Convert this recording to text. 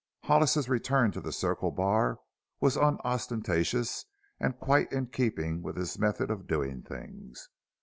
Hollis's return to the Circle Bar was unostentatious and quite in keeping with his method of doing things.